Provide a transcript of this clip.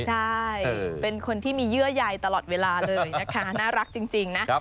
ใช่เป็นคนที่มีเยื่อใยตลอดเวลาเลยนะคะน่ารักจริงนะ